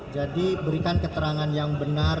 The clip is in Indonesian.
jadi berikan keterangan yang benar